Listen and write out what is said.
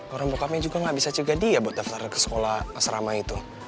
orang bokapnya juga gak bisa cegah dia buat daftar ke sekolah serama itu